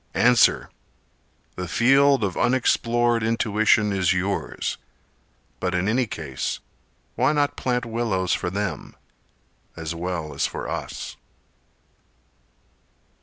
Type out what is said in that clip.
Answer! The field of unexplored intuition is yours. But in any case why not plant willows for them, As well as for us?